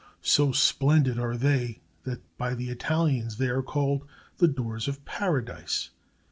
So splendid are they that by the Italians they are called "The Doors of Paradise."